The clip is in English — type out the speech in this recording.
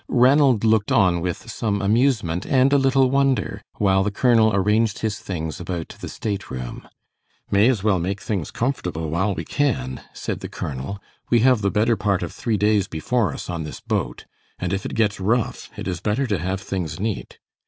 Ranald looked on with some amusement, and a little wonder, while the colonel arranged his things about the stateroom. "May as well make things comfortable while we can," said the colonel, "we have the better part of three days before us on this boat, and if it gets rough, it is better to have things neat.